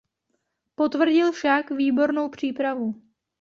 Potvrdil však výbornou přípravu.